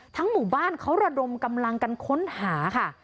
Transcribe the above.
หมู่บ้านเขาระดมกำลังกันค้นหาค่ะ